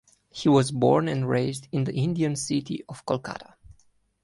He was born and raised in the Indian city of Kolkata.